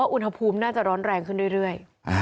อุณหภูมิน่าจะร้อนแรงขึ้นเรื่อย